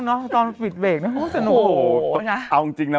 เนอะตอนโอ้โหไงเอาจริงจริงน่ะ